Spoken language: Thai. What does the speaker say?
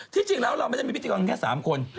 จริงแล้วเราไม่ได้มีพิธีกรแค่๓คน